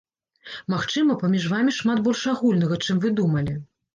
Магчыма, паміж вамі шмат больш агульнага, чым вы думалі!